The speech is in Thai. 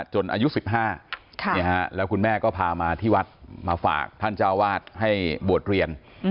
อายุ๑๕แล้วคุณแม่ก็พามาที่วัดมาฝากท่านเจ้าวาดให้บวชเรียน